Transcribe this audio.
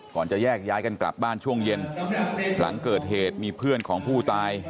จะแยกย้ายกันกลับบ้านช่วงเย็นหลังเกิดเหตุมีเพื่อนของผู้ตาย